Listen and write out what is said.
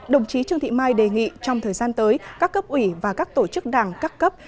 đồng chí trương thị mai đề nghị trong thời gian tới các cấp ủy và các tổ chức đảng các cấp